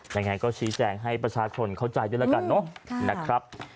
อย่างนั้นก็สีแจงให้ประชาชนเข้าใจด้วยแล้วกันนะครับ